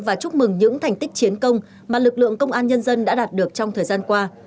và chúc mừng những thành tích chiến công mà lực lượng công an nhân dân đã đạt được trong thời gian qua